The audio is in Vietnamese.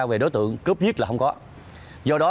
về đối tượng cướp giết là không có